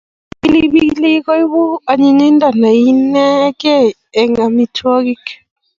Pilipilik koipu anyinyindo ne inegei eng amitwogik